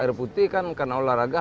air putih kan karena olahraga